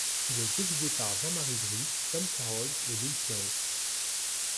Il est dirigé par Jean-Marie Dru, Tom Carroll et Lee Clow.